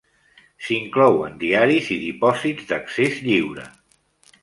S'inclouen diaris i dipòsits d'accés lliure.